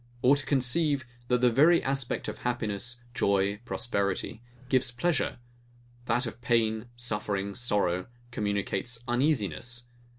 Or to conceive, that the very aspect of happiness, joy, prosperity, gives pleasure; that of pain, suffering, sorrow, communicates uneasiness?